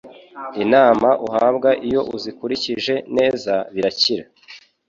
inama uhabwa iyo uzikurikije neza birakira: